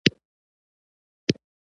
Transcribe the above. اطرافونو کې سړکونه په حشرونو پاکېږي.